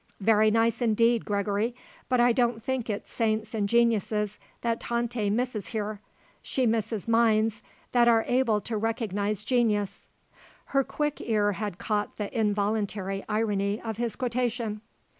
"Very nice indeed, Gregory. But I don't think it is saints and geniuses that Tante misses here; she misses minds that are able to recognise genius." Her quick ear had caught the involuntary irony of his quotation.